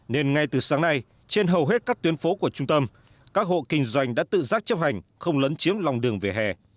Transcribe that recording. nên ngay từ sáng nay trên hầu hết các tuyến phố của trung tâm các hộ kinh doanh đã tự giác chấp hành không lấn chiếm lòng đường về hè